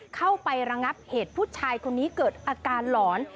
เข้าไประงับเหตุผู้ชายคนนี้เกิดอาการหลอน